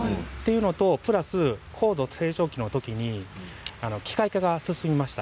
それプラス高度成長期のときに機械化が進みました。